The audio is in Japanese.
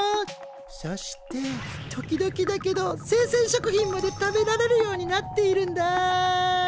そして時々だけどせいせん食品まで食べられるようになっているんだ。